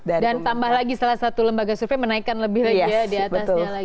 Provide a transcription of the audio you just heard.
dan tambah lagi salah satu lembaga survei menaikkan lebih lagi ya diatasnya lagi